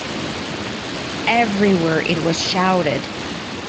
Everywhere it was shouted.